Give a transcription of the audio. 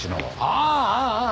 ああ！